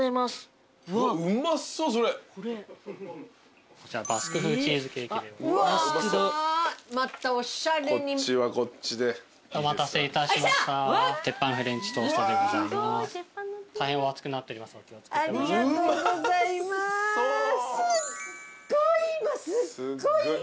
すっごい